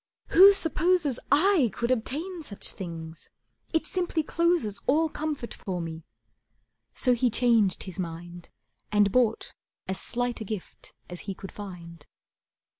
"Who supposes I could obtain such things! It simply closes All comfort for me." So he changed his mind And bought as slight a gift as he could find.